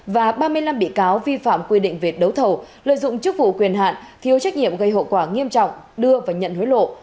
và ba mươi năm bị cáo vi phạm quy định về đấu thầu lợi dụng chức vụ quyền hạn thiếu trách nhiệm gây hậu quả nghiêm trọng đưa và nhận hối lộ